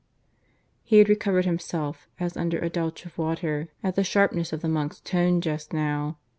He had recovered himself, as under a douche of water, at the sharpness of the monk's tone just now.